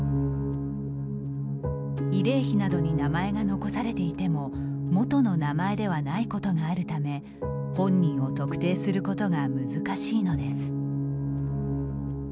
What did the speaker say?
慰霊碑などに名前が残されていても元の名前ではないことがあるため本人を特定することが難しいのです。